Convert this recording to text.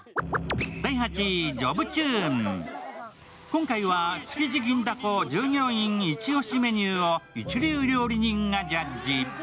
今回は築地銀だこ従業員イチ押しメニューを一流料理人がジャッジ。